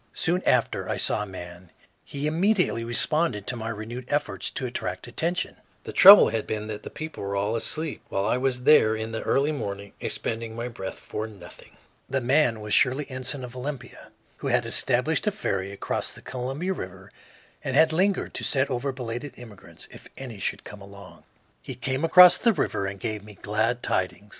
Soon after I saw a man; he immediately responded to my renewed efforts to attract attention. The trouble had been that the people were all asleep, while I was there in the early morning expending my breath for nothing. The man was Shirley Ensign, of Olympia, who had established a ferry across the Columbia River and had lingered to set over belated immigrants, if any should come along. He came across the river and gave me glad tidings.